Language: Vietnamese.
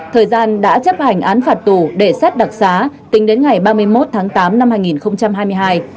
thời gian đã chấp hành án phạt tù để xét đặc xá tính đến ngày ba mươi một tháng tám năm hai nghìn hai mươi hai